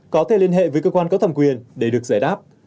có thể liên hệ với cơ quan có thẩm quyền để được giải đáp